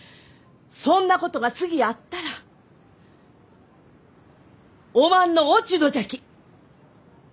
そんなことが次あったらおまんの落ち度じゃき。